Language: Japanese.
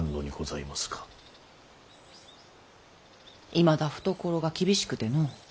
いまだ懐が厳しくての。